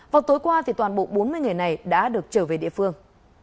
vào tối qua toàn bộ bốn mươi người này đã được trở về địa phương